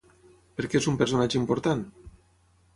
Per què és un personatge important?